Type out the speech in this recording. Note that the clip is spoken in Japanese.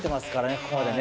ここまでね。